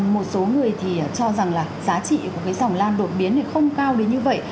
một số người thì cho rằng là giá trị của cái dòng lan đột biến thì không cao đến như vậy